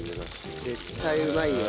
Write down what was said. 絶対うまいです。